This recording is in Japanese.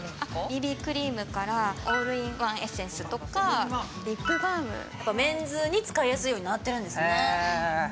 ＢＢクリームからオールインワンエッセンスとかリップバームやっぱメンズに使いやすいようになってるんですね